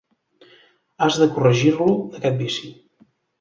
Has de corregir-lo d'aquest vici.